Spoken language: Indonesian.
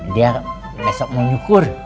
dia besok menyukur